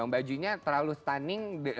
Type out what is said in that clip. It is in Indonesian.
bajunya terlalu stunning